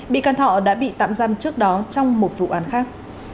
bị can thọ đã bị tạm giam trước đó trong một vụ án khác